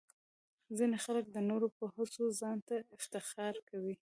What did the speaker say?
ځینې خلک د نورو په هڅو ځان ته افتخار کوي.